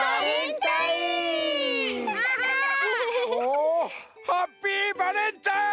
おおハッピーバレンタイン！